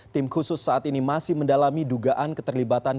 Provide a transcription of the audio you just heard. tim khusus saat ini masih mendalami dugaan keterlibatan